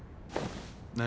何！？